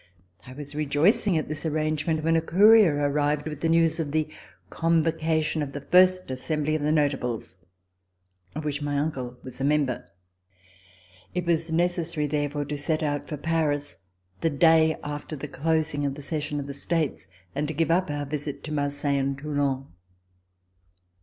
I was rejoicing at this arrangement, when a courier arrived with the news of the convocation of the first assembly of the Notables, of which my uncle was a member. It was necessary, therefore, to set out for Paris the day after the closing of the session of the States and to give up our visit to Marseille and Toulon.